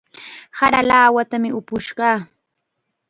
Sara lawatam upush kaa.